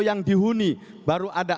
yang dihuni baru ada